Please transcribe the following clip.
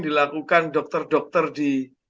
dilakukan dokter dokter di